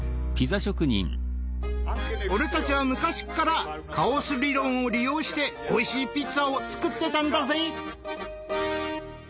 俺たちは昔っからカオス理論を利用しておいしいピッツァを作ってたんだぜ！